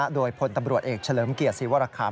โดยพลตำรวจเอกเฉลิมเกียรติศรีวรคาม